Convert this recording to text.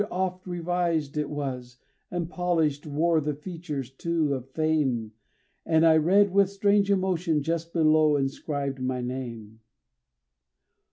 Oft revised it was, and polished, wore the features, too, of Fame; And I read with strange emotion, just below inscribed my name.